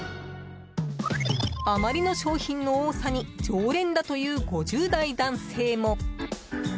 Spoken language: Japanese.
あまりの商品の多さに常連だという５０代男性も。